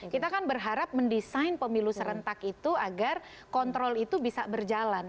kita kan berharap mendesain pemilu serentak itu agar kontrol itu bisa berjalan